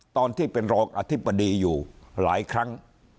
ตอนที่เป็นรองอธิบดีอยู่หลายครั้ง